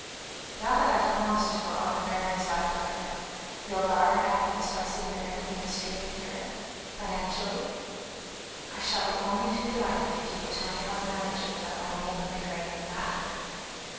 "Now that I've promised to go out of Marian's life for ever, you'll guard her happiness by seeing that everything is straightened here financially?" "I shall be only too delighted, if you will tell me how to manage it without my name appearing in the matter."